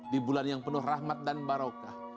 di bulan yang penuh rahmat dan barokah